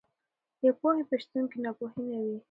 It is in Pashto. د پوهې په شتون کې ناپوهي نه وي.